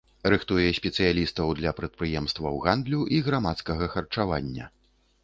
Рыхтуе спецыялістаў для прадпрыемстваў гандлю і грамадскага харчавання.